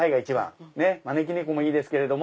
招き猫もいいですけれども。